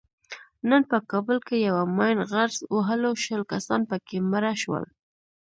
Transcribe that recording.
نن په کابل کې یوه ماین غرز وهلو شل کسان پکې مړه شول.